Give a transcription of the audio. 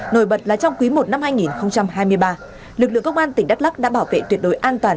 nổi bật là trong quý i năm hai nghìn hai mươi ba lực lượng công an tỉnh đắk lắc đã bảo vệ tuyệt đối an toàn